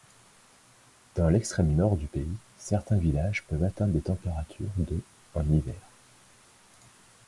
Dans l'extrême nord du pays, certains villages peuvent atteindre des températures de en hiver.